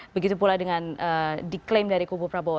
begitu pula dengan diklaim dari kubu prabowo